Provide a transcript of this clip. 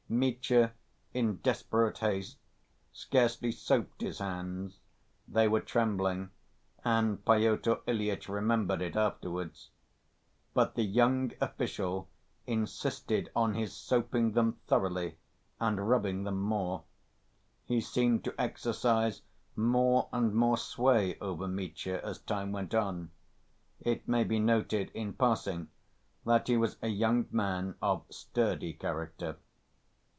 Mitya, in desperate haste, scarcely soaped his hands (they were trembling, and Pyotr Ilyitch remembered it afterwards). But the young official insisted on his soaping them thoroughly and rubbing them more. He seemed to exercise more and more sway over Mitya, as time went on. It may be noted in passing that he was a young man of sturdy character.